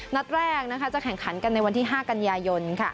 นัดแรกจะแข่งขันกันในวันที่๕กันยายน